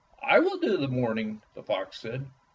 "I will do the mourning," the fox said.